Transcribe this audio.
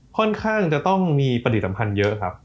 ค่อนข้างจะต้องมีปฏิสัมพันธ์เยอะครับ